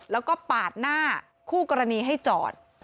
แล้วก็ปาดหน้าคู่กรณีให้จอด